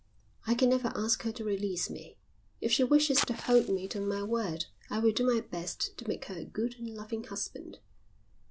"I can never ask her to release me. If she wishes to hold me to my word I will do my best to make her a good and loving husband."